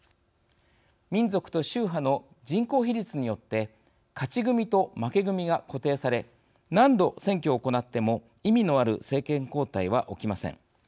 民族と宗派の人口比率によって勝ち組と負け組が固定され何度、選挙を行っても意味のある政権交代は起きません。